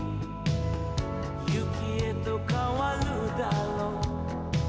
「雪へと変わるだろう」